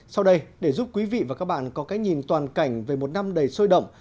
sau đây để giúp quý vị và các bạn có cái nhìn toàn cảnh về một năm đầy sôi động